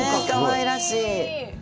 かわいらしい。